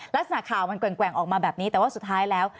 ลักษณะข่าวมันแกว่งออกมาแบบนี้แต่ว่าสุดท้ายแล้ว